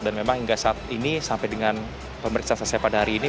dan memang hingga saat ini sampai dengan pemeriksaan seseh pada hari ini